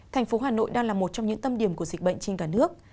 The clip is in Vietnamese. thành phố hà nội đang là một trong những tâm điểm của dịch bệnh trên cả nước